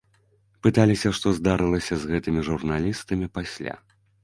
Пыталіся, што здарылася з гэтымі журналістамі пасля.